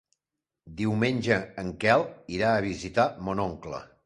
Diumenge en Quel irà a visitar mon oncle.